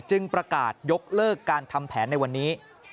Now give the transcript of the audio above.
ประกาศยกเลิกการทำแผนในวันนี้